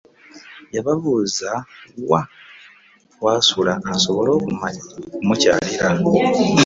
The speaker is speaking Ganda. Yababuuza wwa wasula asobole okumukyalira .